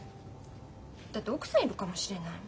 だって奥さんいるかもしれないもん。